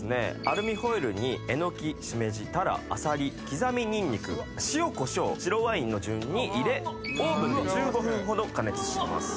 アルミホイルにエノキシメジタラアサリ刻みニンニク塩こしょう白ワインの順に入れオーブンで１５分ほど加熱します